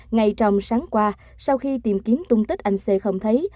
ngày trong sáng qua sau khi tìm kiếm tung tích anh c không thấy